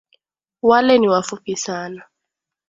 Wale ni wafupi sana.